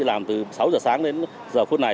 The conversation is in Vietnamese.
làm từ sáu giờ sáng đến giờ phút này